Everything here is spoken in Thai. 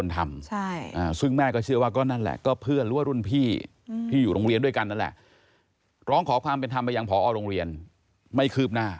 แต่ชั้นว่าอ้อลงเรียนไม่คือบหน้า